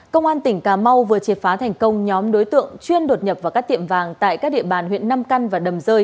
công an tp hcm vừa triệt phá thành công nhóm đối tượng chuyên đột nhập vào các tiệm vàng tại các địa bàn huyện năm căn và đầm rơi